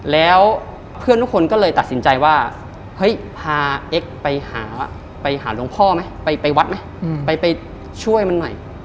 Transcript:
แล้วเพื่อนทุกคนก็เลยตัดสินใจว่าเฮ้ยพาเอ็กซ์ไปหาไปหาหลวงพ่อไหมไปวัดไหมไปช่วยมันหน่อย